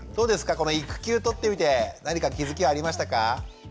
この育休取ってみて何か気付きありましたか？